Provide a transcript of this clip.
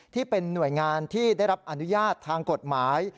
ที่เป็นหน่วยงานที่ได้รับอนุญาตทางกฎหมาย